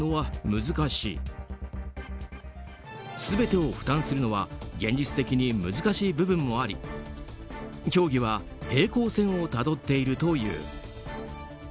全てを負担するのは現実的に難しい部分もあり協議は平行線をたどっているという。